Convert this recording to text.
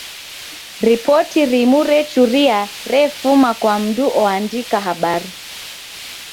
Ripoti rimu rechuria refuma kwa mndu oandika habari.